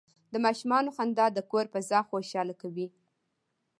د ماشومانو خندا د کور فضا خوشحاله کوي.